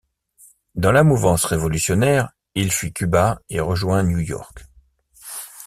Dans la mouvance révolutionnaire, il fuit Cuba et rejoint New York.